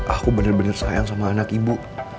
aku bener bener sayang sama anak ibu